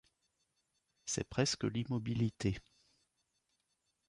C’est presque l’immobilité.